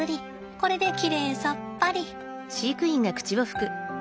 これできれいさっぱり。